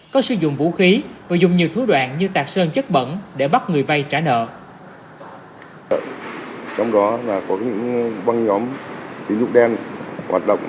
có sử dụng vũ khí và dùng nhiều thú đoạn như tạc sơn chất bẩn để bắt người vay trả nợ